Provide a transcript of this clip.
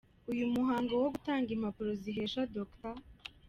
Uyu muhango wo gutanga impapuro zihesha Dr.